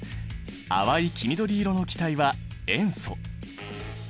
淡い黄緑色の気体は塩素。